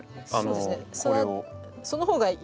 そうですよね。